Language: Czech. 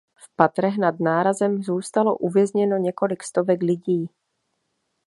V patrech nad nárazem zůstalo uvězněno několik stovek lidí.